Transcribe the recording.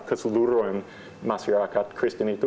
keguruan masyarakat kristen itu